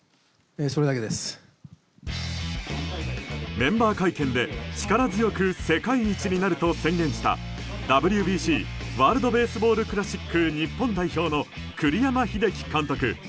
メンバー会見で力強く世界一になると宣言したＷＢＣ・ワールド・ベースボール・クラシック日本代表の栗山英樹監督。